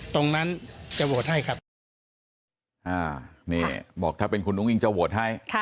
ตรงนั้นจะโหวตให้ครับอ่านี่บอกถ้าเป็นคุณอุ้งอิงจะโหวตให้